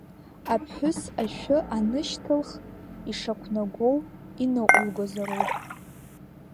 Аԥҳәыс ашәы анышьҭылх, ишақәнагоу иныҟәылгозароуп.